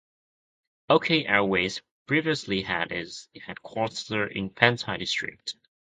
Okay Airways previously had its headquarters in Fengtai District.